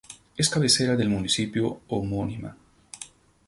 Es cabecera del municipio homónima.